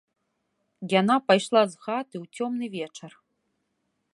Яна пайшла з хаты ў цёмны вечар.